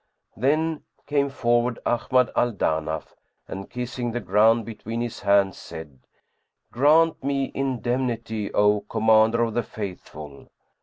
Then came forward Ahmad al Danaf and, kissing the ground between his hands, said, "Grant me indemnity, O Commander of the Faithful!"